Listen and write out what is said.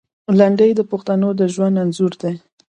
لنډۍ د پښتنو د ژوند انځور دی.